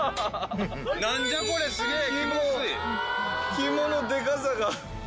肝のでかさが。